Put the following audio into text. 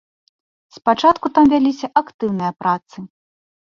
Спачатку там вяліся актыўныя працы.